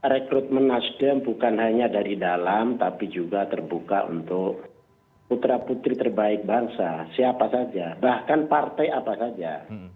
rekrutmen nasdem bukan hanya dari dalam tapi juga terbuka untuk putra putri terbaik bangsa siapa saja bahkan partai apa saja